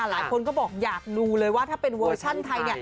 หลายคนก็บอกอยากดูเลยว่าถ้าเป็นเวอร์ชั่นไทย